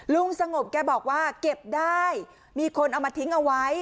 ลุงสงบแกบอกว่าเก็บได้มีคนเอามาทิ้งเอาไว้